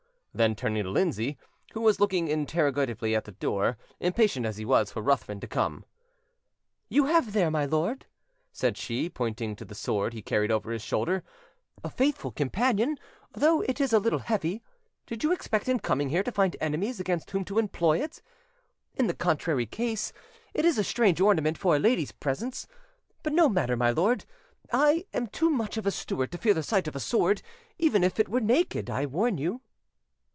Then, turning to Lindsay, who was looking interrogatively at the door, impatient as he was for Ruthven to come— "You have there, my lord," said she, pointing to the sword he carried over his shoulder, "a faithful companion, though it is a little heavy: did you expect, in coming here, to find enemies against whom to employ it? In the contrary case, it is a strange ornament for a lady's presence. But no matter, my lord, I, am too much of a Stuart to fear the sight of a sword, even if it were naked, I warn you."